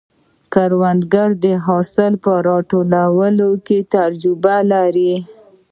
کروندګر د حاصل په راټولولو کې تجربه لري